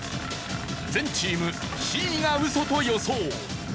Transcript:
全チームＣがウソと予想。